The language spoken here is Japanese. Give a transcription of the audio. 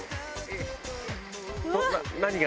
何が？